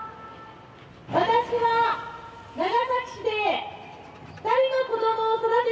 私は長崎市で２人の子どもを育てております。